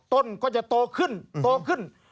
ต้นก็จะโตขึ้นโตขึ้น